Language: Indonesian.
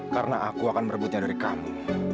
karena aku akan merebutnya dari kamu